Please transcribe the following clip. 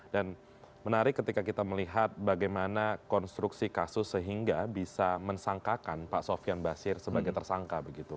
dan menarik ketika kita melihat bagaimana konstruksi kasus sehingga bisa mensangkakan pak sofian basir sebagai tersangka